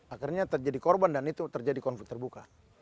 akhirnya terjadi korban dan itu terjadi konflik terbuka